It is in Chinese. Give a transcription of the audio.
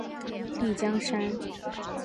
丽江杉